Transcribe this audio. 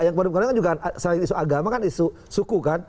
yang kemarin kan juga selain isu agama kan isu suku kan